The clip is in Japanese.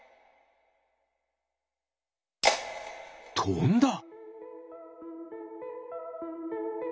とんだ。